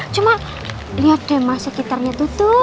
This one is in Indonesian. cuma liat deh mas sekitarnya tuh tuh